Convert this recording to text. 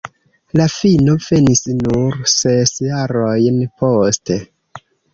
La fino venis nur ses jarojn poste.